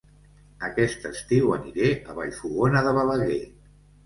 Aquest estiu aniré a Vallfogona de Balaguer